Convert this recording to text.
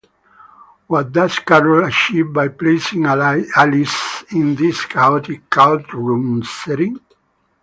What does Carroll achieve by placing Alice in this chaotic courtroom setting?